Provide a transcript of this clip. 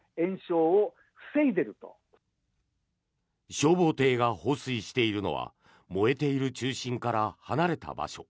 消防艇が放水しているのは燃えている中心から離れた場所。